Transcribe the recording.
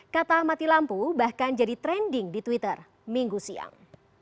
kata mati lampu bahkan jadi trending di twitter minggu siang